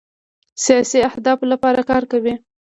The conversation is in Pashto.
سیاسي اهدافو لپاره کار کوي.